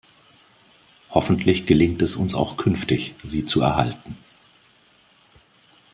Hoffentlich gelingt es uns auch künftig, sie zu erhalten.